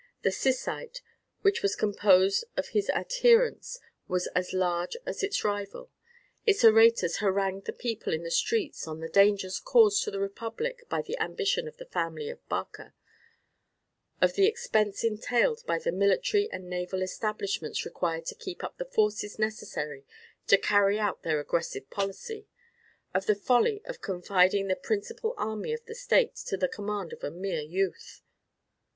The Syssite which was composed of his adherents was as large as its rival. Its orators harangued the people in the streets on the dangers caused to the republic by the ambition of the family of Barca, of the expense entailed by the military and naval establishments required to keep up the forces necessary to carry out their aggressive policy, of the folly of confiding the principal army of the state to the command of a mere youth.